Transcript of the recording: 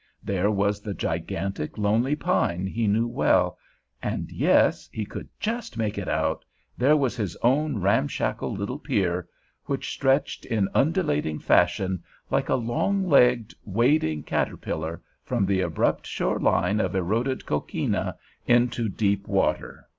There was the gigantic, lonely pine he knew well, and, yes—he could just make it out—there was his own ramshackle little pier, which stretched in undulating fashion, like a long legged, wading caterpillar, from the abrupt shore line of eroded coquina into deep water.